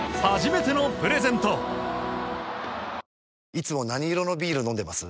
いつも何色のビール飲んでます？